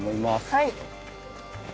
はい。